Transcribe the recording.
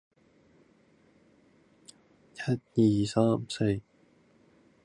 Despite the vicinity of Munich urbanisation is low.